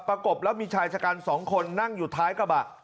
กบแล้วมีชายชะกัน๒คนนั่งอยู่ท้ายกระบะ